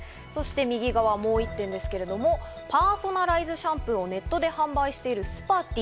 右側、もう一点ですけれども、パーソナライズシャンプーをネットで販売しているＳｐａｒｔｙ。